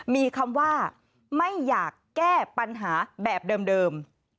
มีคำว่าไม่อยากแก้ปัญหาแบบเดิม